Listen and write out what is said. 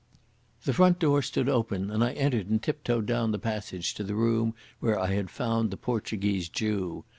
The front door stood open and I entered and tiptoed down the passage to the room where I had found the Portuguese Jew.